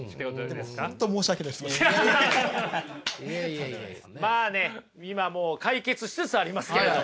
でも本当まあね今もう解決しつつありますけれども。